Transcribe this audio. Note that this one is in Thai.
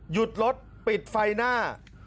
หยุดรถปิดไฟหน้า